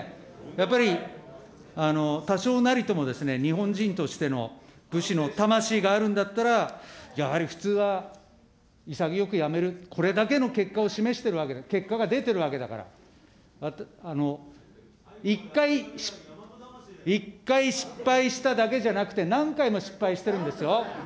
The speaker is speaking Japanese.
やっぱり多少なりともですね、日本人としての武士の魂があるんだったら、やはり普通は潔くやめる、これだけの結果を示してる、結果が出てるわけなんだから、１回失敗しただけじゃなくて、何回も失敗してるんですよ。